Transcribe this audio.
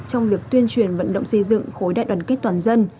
trong việc tuyên truyền vận động xây dựng khối đại đoàn kết toàn dân